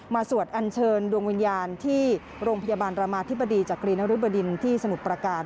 สวดอัญเชิญดวงวิญญาณที่โรงพยาบาลรามาธิบดีจักรีนริบดินที่สมุทรประการ